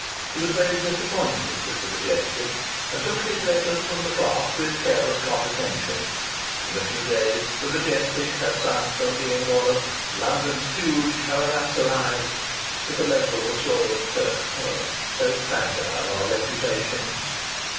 He was very disappointed with the Majestic, and took his letters from the clerk with careless condescension. In a few days the Majestic had sunk from being one of "London's huge caravanserais" to the level of a swollen Turk's Head. So fragile are reputations!